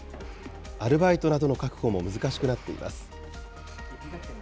アルバイトなどの確保も難しくなっています。